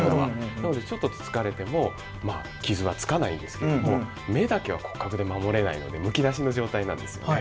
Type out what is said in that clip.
なのでちょっとつつかれてもまあ傷はつかないんですけども目だけは骨格で守れないのでむき出しの状態なんですよね。